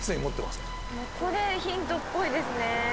これヒントっぽいですね